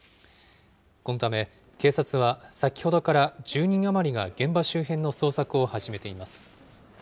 このため警察は、先ほどから１０人余りが現場周辺の捜索を始めています。